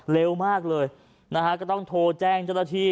เร็วมากเลยนะฮะก็ต้องโทรแจ้งเจ้าหน้าที่